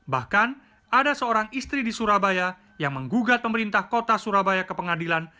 bahkan ada seorang istri di surabaya yang menggugat pemerintah kota surabaya ke pengadilan